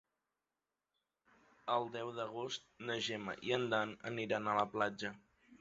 El deu d'agost na Gemma i en Dan aniran a la platja.